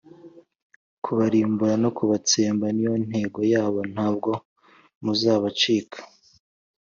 Kubarimbura no kubatsemba niyo ntego yabo ntabwo muzabacika